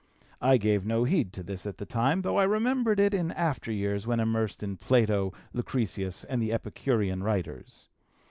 I gave no heed to this at the time, though I remembered it in after years when immersed in Plato, Lucretius, and the Epicurean writers.